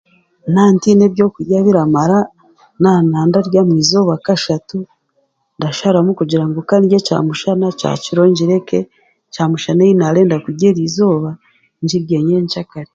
Nantiine by'okurya biramara na nandarya mwizooba kashatu ndasharamu kugira ngu kandye kyamishana kyakiro ngireke kyamushana eyi nandenda kurya erizooba njirye ny'enkyakare.